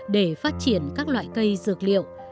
để phát triển các loại cây dược liệu